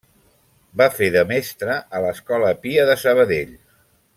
Va fer de mestre a l'Escola Pia de Sabadell.